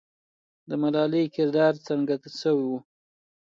د ملالۍ کردار څرګند سوی وو.